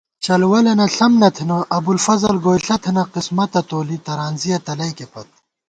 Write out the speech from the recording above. چلوَلَنہ ݪم نہ تھنہ ، ابُوالفضل گوئیݪہ تھنہ، قسمَتہ تولی، ترانزِیَہ تلَئیکےپت